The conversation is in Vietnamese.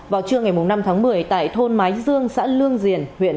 vào trưa ngày năm tháng một mươi tại thôn mái dương xã lương diền